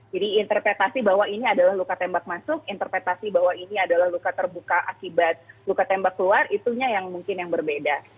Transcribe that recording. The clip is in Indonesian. jadi interpretasi bahwa ini adalah luka tembak masuk interpretasi bahwa ini adalah luka terbuka akibat luka tembak keluar itunya yang mungkin yang berbeda